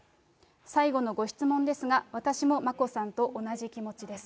最後のご質問ですが、私も眞子さんと同じ気持ちです。